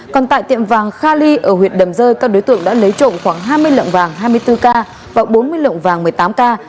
còn tại tiệm vàng kha ly ở huyện đầm rơi các đối tượng đã lấy trộm khoảng hai mươi lậm vàng hai mươi bốn k và bốn mươi lượng vàng một mươi tám k